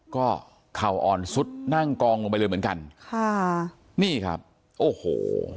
ก็เข่าอ่อนซุดนั่งกองลงไปเลยเหมือนกันค่ะนี่ครับโอ้โห